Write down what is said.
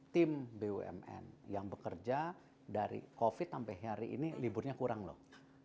tim bumn yang bekerja dari covid sampai hari ini liburnya kurang loh